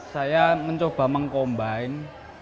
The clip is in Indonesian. saya mencoba mengkombin